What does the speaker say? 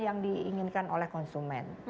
yang diinginkan oleh konsumen